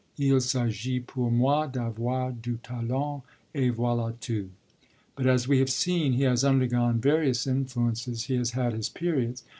il s'agit pour moi d'avoir du talent, et voilà tout!_ But, as we have seen, he has undergone various influences, he has had his periods.